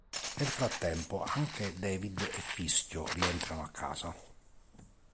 Nel frattempo anche David e Fischio rientrano a casa.